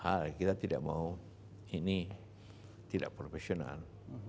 hal kita tidak mau ini tidak profesional